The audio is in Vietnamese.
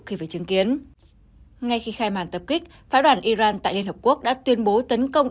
khi phải chứng kiến ngay khi khai màn tập kích phái đoàn iran tại liên hợp quốc đã tuyên bố tấn công